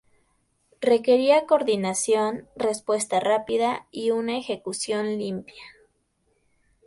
Requería coordinación, respuesta rápida, y una ejecución limpia.